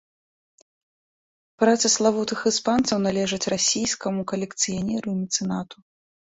Працы славутых іспанцаў належаць расійскаму калекцыянеру і мецэнату.